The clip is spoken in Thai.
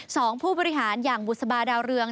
ผู้บริหารอย่างบุษบาดาวเรือง